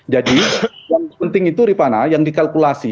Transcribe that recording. jadi yang penting itu ripana yang dikalkulasi